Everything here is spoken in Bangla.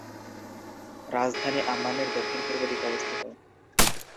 রাজধানী আম্মানের দক্ষিণপূর্ব দিকে অবস্থিত।